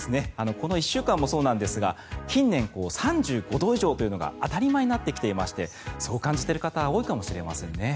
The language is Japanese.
この１週間もそうなんですが近年、３５度以上というのが当たり前になってきていましてそう感じている方多いかもしれませんね。